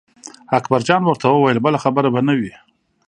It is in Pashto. اکبر جان ورته وویل بله خبره به نه وي.